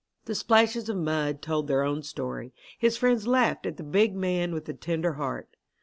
The splashes of mud told their own story. His friends laughed at the big man with the tender heart.